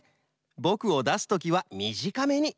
ぼくをだすときはみじかめに！